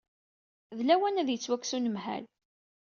D lawan ad yettwakkes unemhal.